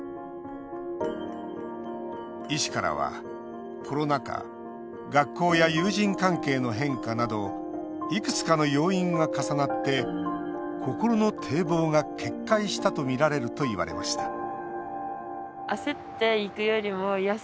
医師からは、コロナ禍学校や友人関係の変化などいくつかの要因が重なって心の堤防が決壊したとみられると言われました